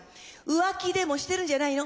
浮気でもしてるんじゃないの？